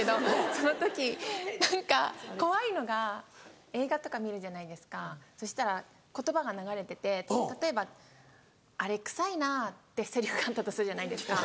その時何か怖いのが映画とか見るじゃないですかそしたら言葉が流れてて例えば「あれ臭いな」ってセリフがあったとするじゃないですか。